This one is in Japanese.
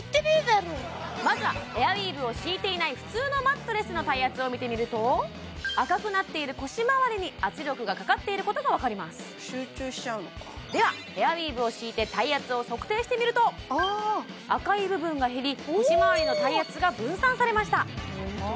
まずはエアウィーヴを敷いていない普通のマットレスの体圧を見てみると赤くなっている腰まわりに圧力がかかっていることが分かりますではエアウィーヴを敷いて体圧を測定してみると赤い部分が減り腰まわりの体圧が分散されました